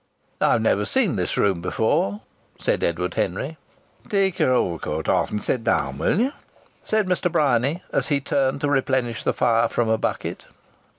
"I've never seen this room before," said Edward Henry. "Take your overcoat off and sit down, will you?" said Mr. Bryany, as he turned to replenish the fire from a bucket.